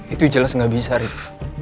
itu jelas gak bisa rik